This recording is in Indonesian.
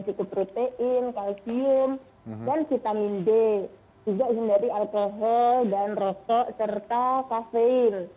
cukup protein kalsium dan vitamin d juga hindari alkohol dan rokok serta kafein